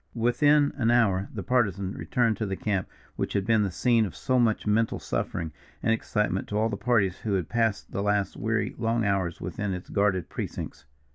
Within an hour the Partisan returned to the camp which had been the scene of so much mental suffering and excitement to all the parties who had passed the last weary, long hours within its guarded precincts.